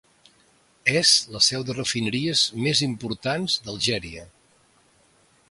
És la seu de les refineries més importants d’Algèria.